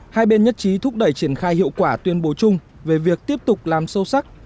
hai bên nhất trí thúc đẩy triển khai hiệu quả tuyên bố chung về việc tiếp tục làm sâu sắc